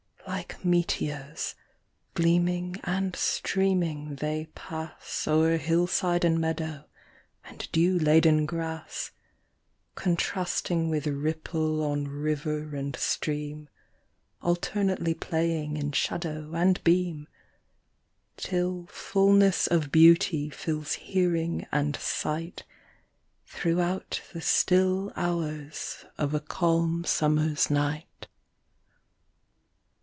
Like meteors, gleaming and streaming, they pass O'er hillside and meadow, and dew laden grass, Contrasting with ripple on river and stream, Alternately playing in shadow and beam, Till fullness of beauty fills hearing and sight Throughout the still hours of a calm summer's night.